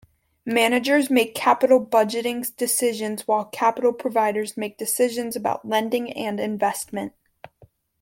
Managers make capital budgeting decisions while capital providers make decisions about lending and investment.